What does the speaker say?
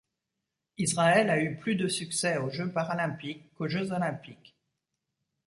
Israël a eu plus de succès aux Jeux paralympiques qu'aux Jeux olympiques.